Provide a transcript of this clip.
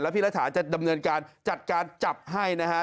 พี่รัฐาจะดำเนินการจัดการจับให้นะฮะ